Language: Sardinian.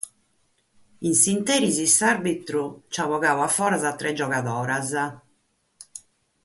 In s'ìnteri s'àrbitru nch'at bogadu a foras a tres giogadoras.